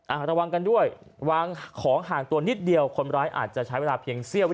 ระวังกันด้วยวางของห่างตัวนิดเดียวคนร้ายอาจจะใช้เวลาเพียงเสี้ยว